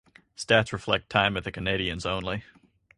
Stats reflect time with the Canadiens only.